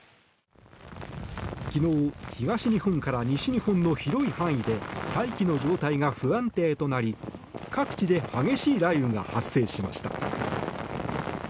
昨日、東日本から西日本の広い範囲で大気の状態が不安定となり各地で激しい雷雨が発生しました。